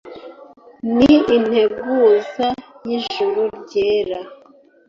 ni integuza y' ijuru ryera.